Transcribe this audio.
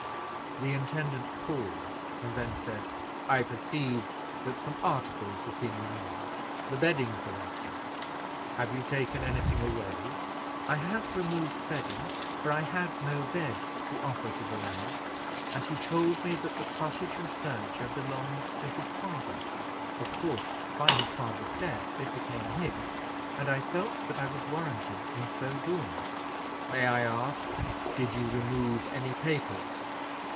The intendant paused, and then said "I perceive that some articles have been removed the bedding, for instance have you taken any thing away?" "I have removed bedding, for I had no bed to offer to the lad, and he told me that the cottage and furniture belonged to his father; of course by his father's death it became his, and I felt that I was warranted in so doing." "May I ask, did you remove any papers?"